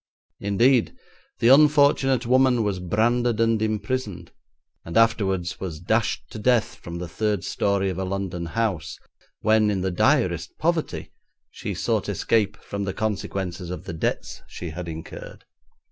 Indeed, the unfortunate woman was branded and imprisoned, and afterwards was dashed to death from the third storey of a London house, when, in the direst poverty, she sought escape from the consequences of the debts she had incurred.